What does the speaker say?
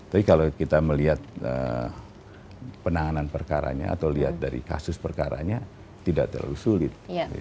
tapi kalau kita melihat penanganan perkaranya atau lihat dari kasus perkaranya tidak terlalu sulit